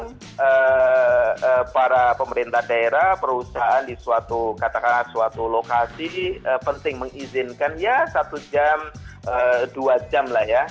karena para pemerintah daerah perusahaan di suatu katakanlah suatu lokasi penting mengizinkan ya satu jam dua jam lah ya